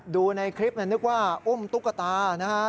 ดูในคลิปนึกว่าอุ้มตุ๊กตานะฮะ